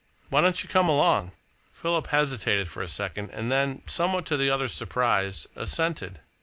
Why don't you come along?" Philip hesitated for a second and then, somewhat to the other's surprise, assented.